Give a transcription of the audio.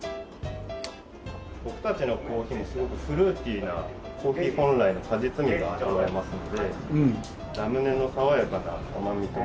僕たちのコーヒーはすごくフルーティーなコーヒー本来の果実味が味わえますのでラムネの爽やかな甘みとマッチしていて。